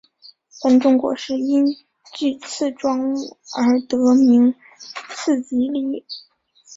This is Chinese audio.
本种果实因具刺状物而得名刺蒺藜。